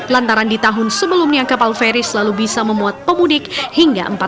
lantaran di tahun sebelumnya kapal feri selalu bisa memuat pemudik hingga empat puluh